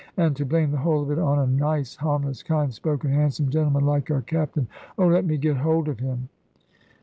And to blame the whole of it on a nice, harmless, kind spoken, handsome gentleman, like our Captain! Oh, let me get hold of him!"